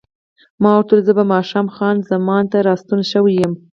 ما ورته وویل: زه په ماښام کې خان زمان ته راستون شوی یم.